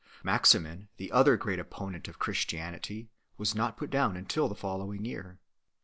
Maximin, the other great opponent of Christianity, was not put down until the following year.